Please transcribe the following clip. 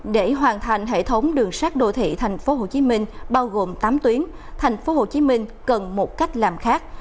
để hoàn thành hệ thống đường sắt đô thị tp hcm bao gồm tám tuyến tp hcm cần một cách làm khác